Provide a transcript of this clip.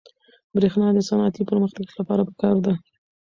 برېښنا د صنعتي پرمختګ لپاره پکار ده.